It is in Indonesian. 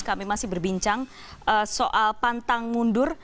kami masih berbincang soal pantang mundur